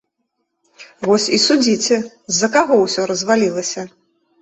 Вось і судзіце, з-за каго ўсё развалілася.